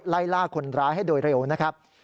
ไล่ล่าคนร้ายให้โดยเร็วนะครับ